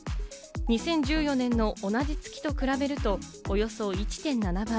２０１４年の同じ月と比べるとおよそ１．７倍。